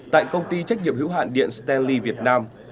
tại công ty trách nhiệm hữu hạn điện stanley việt nam